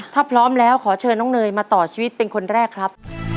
ถ้าพร้อมแล้วขอเชิญน้องเนยมาต่อชีวิตเป็นคนแรกครับ